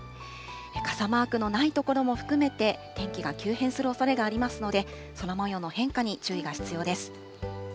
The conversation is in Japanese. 傘マークのない所も含めて、天気が急変するおそれがありますので、空もようの変化に注意が必要です。